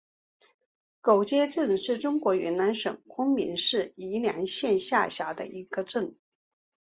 狗街镇是中国云南省昆明市宜良县下辖的一个镇。